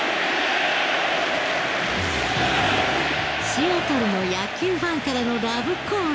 シアトルの野球ファンからのラブコール。